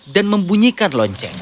dan membunyikan loncengnya